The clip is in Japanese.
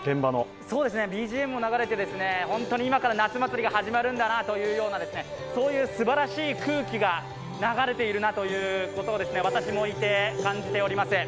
ＢＧＭも流れて、今から夏祭りが始まるんだなというすばらしい空気が流れているなということを私もいて、感じております。